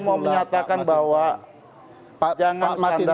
saya mau menyatakan bahwa jangan standar ganda